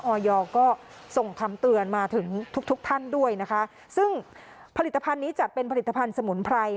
ออยก็ส่งคำเตือนมาถึงทุกทุกท่านด้วยนะคะซึ่งผลิตภัณฑ์นี้จัดเป็นผลิตภัณฑ์สมุนไพร